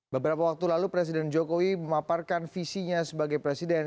beberapa waktu lalu presiden jokowi memaparkan visinya sebagai presiden